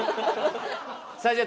さあじゃあ